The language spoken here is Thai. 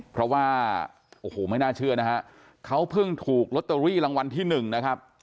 เพราะว่าโอ้โหไม่น่าเชื่อนะฮะเขาเพิ่งถูกลอตเตอรี่รางวัลที่หนึ่งนะครับ